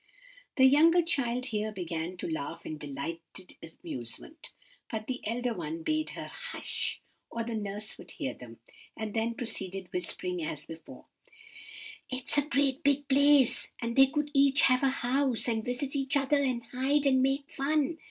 "The younger child here began to laugh in delighted amusement, but the elder one bade her 'hush,' or the nurse would hear them; and then proceeded whispering as before "'It's a great big place, and they could each have a house, and visit each other, and hide, and make fun.